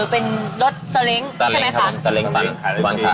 เป็นรถสลิงค์ใช่ไหมฝัง